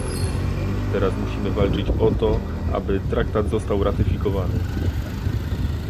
Teraz musimy walczyć o to, aby Traktat został ratyfikowany